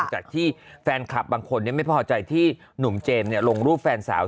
แต่ที่แฟนคลับบางคนเนี่ยไม่พอใจที่หนุ่มเจมส์เนี่ยลงรูปแฟนสาว